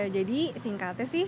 jadi singkatnya sih